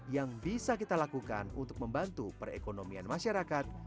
yang bisa kita lakukan untuk membantu perekonomian masyarakat